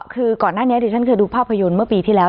คือก่อนหน้านี้ดิฉันเคยดูภาพยนตร์เมื่อปีที่แล้ว